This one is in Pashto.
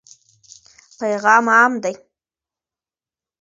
پیغام عام دی.